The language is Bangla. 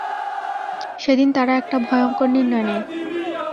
সেদিন, তারা একটা ভয়ংকর নির্ণয় নেয়।